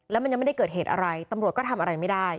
แล้วมันยังไม่ได้เกิดเหตุอะไรตำรวจก็ทำอะไรไม่ได้